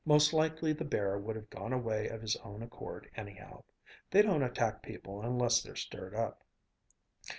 "'Most likely the bear would have gone away of his own accord anyhow. They don't attack people unless they're stirred up."